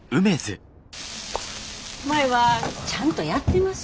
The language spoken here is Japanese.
舞はちゃんとやってます？